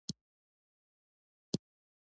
ازادي راډیو د عدالت په اړه د مجلو مقالو خلاصه کړې.